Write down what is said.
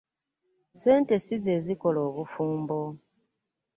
Ssente si ze zikola obufumbo.